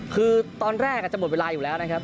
คือตอนแรกจะหมดเวลาอยู่แล้วนะครับ